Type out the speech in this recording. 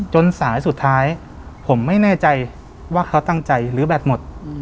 สายสุดท้ายผมไม่แน่ใจว่าเขาตั้งใจหรือแบตหมด